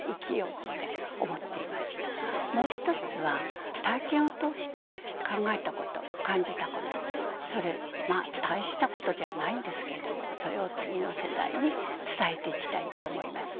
もう一つは体験を通して考えたこと感じたことそれまあ大したことじゃないんですけれどもそれを次の世代に伝えていきたいと思います。